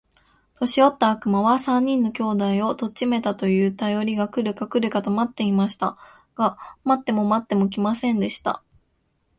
年よった悪魔は、三人の兄弟を取っちめたと言うたよりが来るか来るかと待っていました。が待っても待っても来ませんでした。